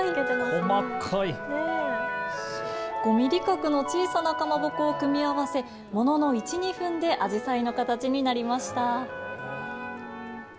５ミリ角の小さなかまぼこを組み合わせ、ものの１、２分であじさいの形になりました。